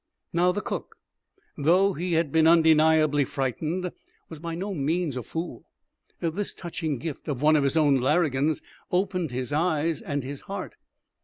Now, the cook, though he had been undeniably frightened, was by no means a fool. This touching gift of one of his own larrigans opened his eyes and his heart.